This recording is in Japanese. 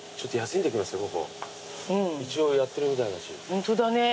ホントだね。